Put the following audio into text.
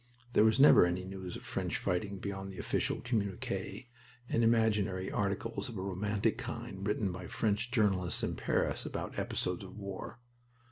(There was never any news of French fighting beyond the official communique and imaginary articles of a romantic kind written by French journalists in Paris about episodes of war.)